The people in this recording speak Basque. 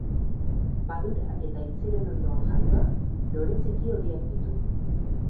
Padura eta aintziren ondoan jaioa, lore txiki horiak ditu.